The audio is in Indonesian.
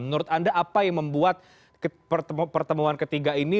menurut anda apa yang membuat pertemuan ketiga ini